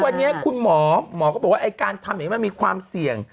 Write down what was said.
วันนี้คุณหมอหมอก็บอกว่าไอ้การทำอย่างนี้มันมีความเสี่ยง